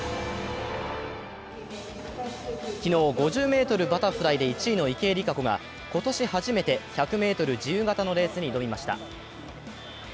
昨日、５０ｍバタフライで１位の池江璃花子が今年初めて１００ｍ自由形のレースに挑みました。